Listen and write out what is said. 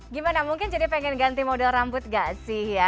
gimana mungkin jadi pengen ganti model rambut gak sih ya